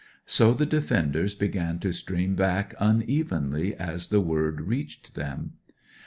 So the defenders began to stream back imevenly as the word reached them.